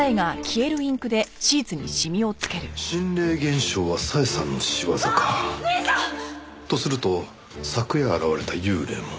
心霊現象は小枝さんの仕業か。とすると昨夜現れた幽霊も。